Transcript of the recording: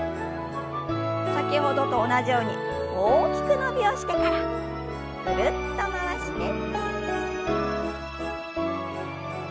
先ほどと同じように大きく伸びをしてからぐるっと回して。